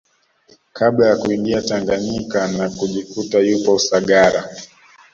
Kabla ya kuingia Tanganyika na kujikuta yupo Usagara